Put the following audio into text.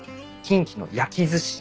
キンキの焼きずし。